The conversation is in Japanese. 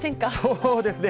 そうですね。